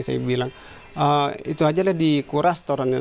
saya bilang itu aja lah di kurastorannya